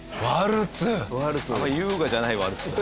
優雅じゃないワルツだ。